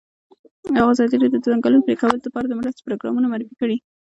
ازادي راډیو د د ځنګلونو پرېکول لپاره د مرستو پروګرامونه معرفي کړي.